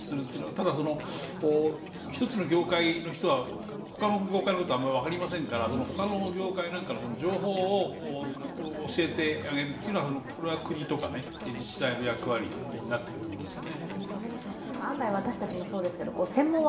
ただ、一つの業界の人は他の業界のことがあんまり分かりませんから他の業界なんかの情報を教えてあげるというのは国とか自治体の役割になってくると思いますね。